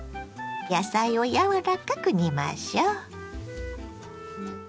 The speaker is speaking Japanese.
野菜をやわらかく煮ましょ。